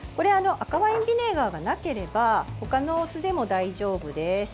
赤ワインビネガーがなければほかのお酢でも大丈夫です。